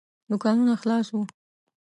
دوکانونه خلاص وو.